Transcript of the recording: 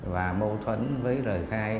và mâu thuẫn với lời khai